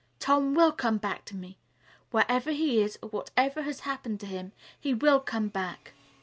Tom will come back to me. Wherever he is or whatever has happened to him, he will come back.